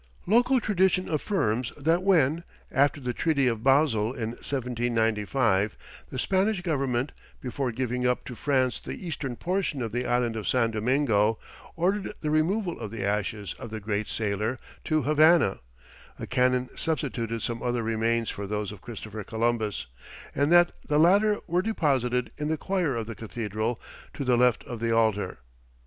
Local tradition affirms that when, after the Treaty of Basle in 1795, the Spanish government, before giving up to France the eastern portion of the island of San Domingo, ordered the removal of the ashes of the great sailor to Havana, a canon substituted some other remains for those of Christopher Columbus, and that the latter were deposited in the choir of the cathedral, to the left of the altar.